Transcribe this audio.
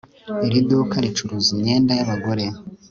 Iri duka ricuruza imyenda yabagore